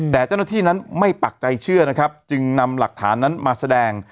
แต่เจ้าหน้าที่นั้นไม่ปักใจเชื่อนะครับจึงนำหลักฐานนั้นมาแสดง